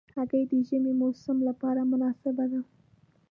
هګۍ د ژمي موسم لپاره مناسبه ده.